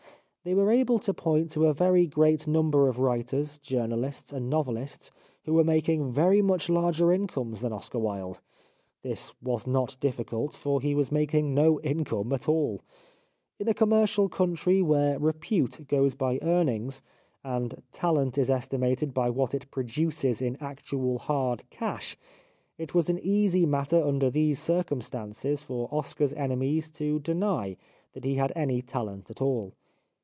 They were able to point to a very great number of writers, journalists and novelists who were making very much larger incomes than Oscar Wilde. This was not difficult, for he was making no income at all. In a commercial country where repute goes by earnings, and talent is estimated by what it produces in actual hard cash, it was an easy matter under these circum stances for Oscar's enemies to deny that he had any talent at all.